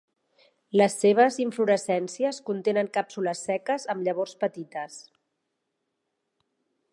Les seves inflorescències contenen càpsules seques amb llavors petites.